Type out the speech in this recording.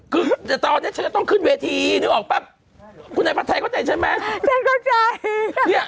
เดี๋ยวตอนนี้ต้องขึ้นเวทีเลยออกใช่มั้ย